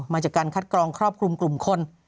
มาจากการคัดกรองครอบคลุมกลุ่มคน